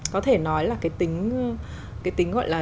có thể nói là cái tính